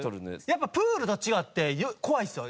やっぱプールと違って怖いんですよ。